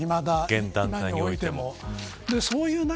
現段階においても。